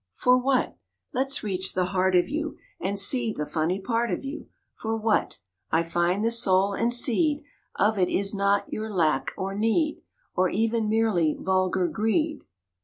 For what? Let's reach the heart of you And see the funny part of you. For what? I find the soul and seed Of it is not your lack or need, Or even merely vulgar greed.